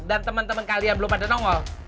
dan teman teman kalian belum pada nongol